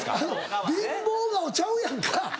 貧乏顔ちゃうやんか。